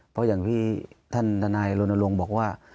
เพราะอย่างท่านทนายโรนลงบอกว่า